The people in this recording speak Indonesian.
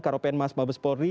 karopen mas mabes polri